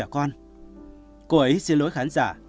con cô ấy xin lỗi khán giả